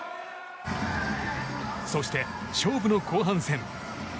そして勝負の後半戦。